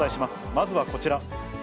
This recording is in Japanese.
まずはこちら。